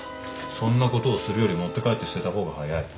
そんなことをするより持って帰って捨てたほうが早い。